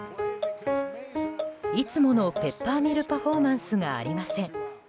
いつものペッパーミルパフォーマンスがありません。